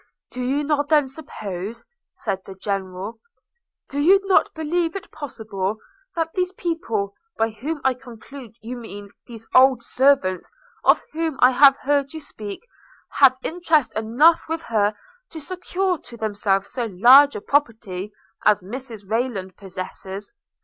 'You do not then suppose,' said the General, 'you do not believe it possible that these people, by whom I conclude you mean those old servants of whom I have heard you speak, have interest enough with her to secure to themselves so large a property as Mrs Rayland possesses.